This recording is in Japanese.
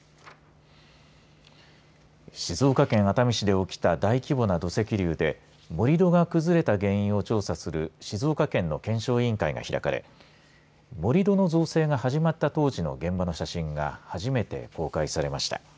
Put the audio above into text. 静岡県熱海市で起きた大規模な土石流で盛り土が崩れた原因を調査する静岡県の検証委員会が開かれ盛り土の造成が始まった当時の現場の写真が初めて公開されました。